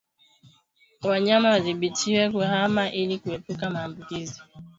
Wanyama wadhibitiwe kuhamahama ili kuepuka maambukizi